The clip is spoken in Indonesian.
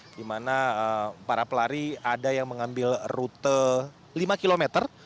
di mana para pelari ada yang mengambil rute lima kilometer